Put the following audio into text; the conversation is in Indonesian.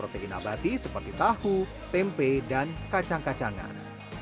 dibati seperti tahu tempe dan kacang kacangan